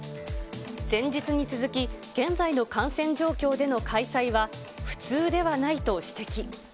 前日に続き、現在の感染状況での開催は普通ではないと指摘。